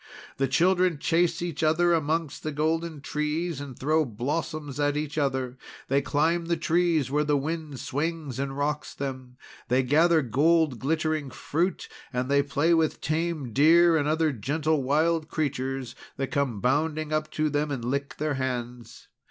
"The children chase each other among the golden trees, and throw blossoms at each other. They climb the trees where the wind swings and rocks them. They gather gold glittering fruit, and they play with tame deer and other gentle wild creatures, that come bounding up to them and lick their hands.